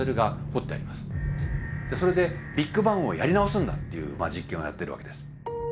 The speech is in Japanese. それでビッグバンをやり直すんだっていう実験をやってるわけです。